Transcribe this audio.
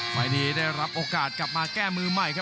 ไฟล์นี้ได้รับโอกาสกลับมาแก้มือใหม่ครับ